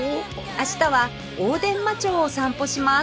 明日は大伝馬町を散歩します